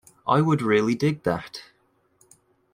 I would really dig that.